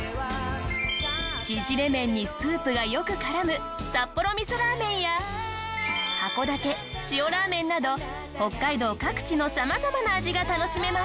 縮れ麺にスープがよく絡む札幌みそラーメンや函館塩ラーメンなど北海道各地の様々な味が楽しめます。